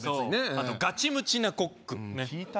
あとガチムチなコック聞いた？